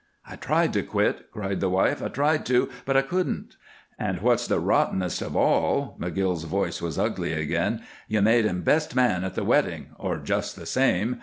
"I tried to quit," cried the wife. "I tried to, but I couldn't." "And what's the rottenest of all" McGill's voice was ugly again "you made him best man at the wedding, or just the same.